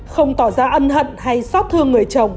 không tỏ ra ân hận hay xót thương người chồng